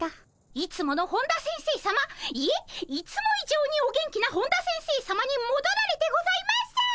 いつもの本田先生さまいえいつも以上にお元気な本田先生さまにもどられてございます。